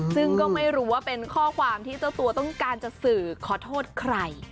ซึ่งก็ไม่รู้ว่าเป็นข้อความที่เจ้าตัวต้องการจะสื่อขอโทษใคร